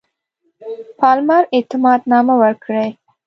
پالمر اعتماد نامه ورکړي.